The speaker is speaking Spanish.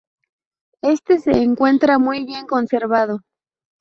Éste se encuentra muy bien conservado.